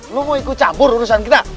lo mau ikut cabur urusan kita